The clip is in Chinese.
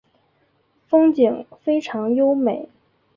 风景非常优美。